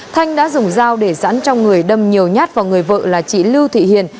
thanh đã dùng dao để dẫn trong người đâm nhiều nhát vào người vợ là chị lưu thị hiền